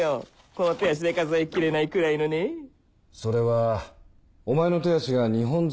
この手足で数え切れないくらいのねそれはお前の手足が２本ずつだった時の話か？